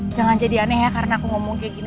jangan jadi aneh ya karena aku ngomong kayak gini